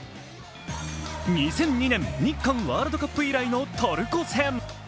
２００２年、日韓ワールドカップ以来のトルコ戦。